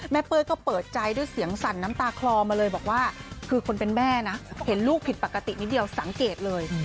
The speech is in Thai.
เป้ยก็เปิดใจด้วยเสียงสั่นน้ำตาคลอมาเลยบอกว่าคือคนเป็นแม่นะเห็นลูกผิดปกตินิดเดียวสังเกตเลย